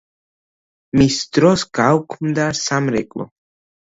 მის დროს გაუქმდა სამრეკლო.